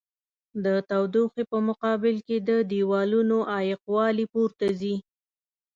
د تودوخې په مقابل کې د دېوالونو عایق والي پورته ځي.